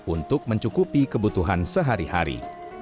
untuk mencukupi kebutuhan sehari hari